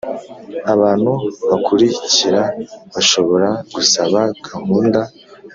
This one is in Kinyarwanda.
Abantu bakurikira bashobora gusaba gahunda